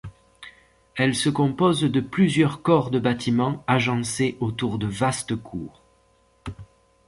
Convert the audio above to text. Elle se compose de plusieurs corps de bâtiments agencés autour de vaste cours.